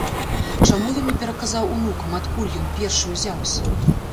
Чаму ён не пераказаў унукам, адкуль ён, першы, узяўся?